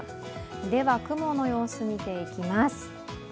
雲の様子を見ていきます。